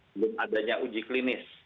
belum adanya uji klinis